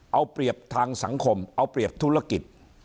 เอาเปรียบทางสังคมเอาเปรียบธุรกิจ